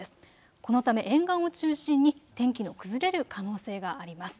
このため沿岸を中心に天気の崩れれる可能性があります。